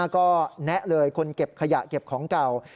ก็แนะเลยคนเก็บขยะเก็บของเก่า